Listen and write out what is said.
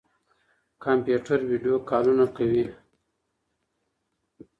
کمپيوټر ويډيو کالونه کوي.